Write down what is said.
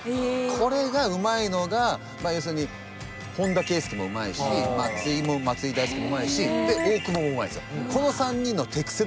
これがうまいのが要するに本田圭佑もうまいし松井も松井大輔もうまいしで大久保もうまいんですよ。